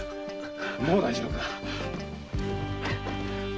もう大丈夫だ。